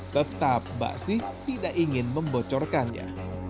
tetap mbak sih tidak ingin membocorkannya